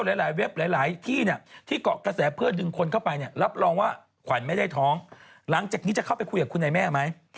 ว่าขวัญไม่ได้ท้องหลังจากนี้จะเข้าไปคุยกับคุณนายแม่ไหม